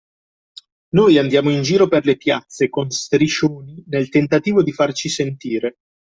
Noi andiamo in giro per le piazze con striscioni nel tentativo di farci sentire